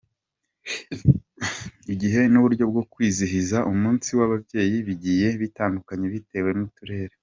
Igihe n’uburyo bwo kwizihiza umunsi w’ababyeyi bigiye bitandukanye bitewe n’uturere.